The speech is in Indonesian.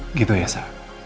begitu ya sa